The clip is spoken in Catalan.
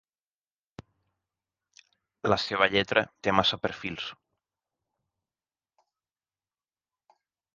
La seva lletra té massa perfils.